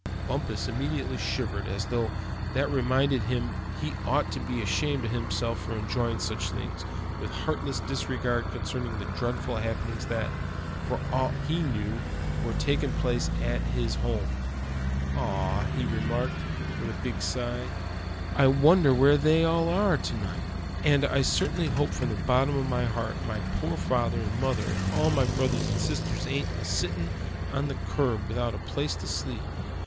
Bumpus immediately shivered, as though that reminded him he ought to be ashamed of himself to be enjoying such things, with heartless disregard concerning the dreadful happenings that, for aught he knew, were taking place at his home. "Ah!" he remarked, with a big sigh; "I wonder where they all are to night. And I certainly hope from the bottom of my heart, my poor father and mother, and all my brothers and sisters ain't a sittin' on the curb, without a place to sleep in.